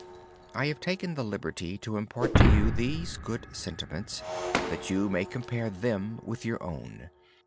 I have taken the liberty to impart to you these good sentiments that you may compare them with your own.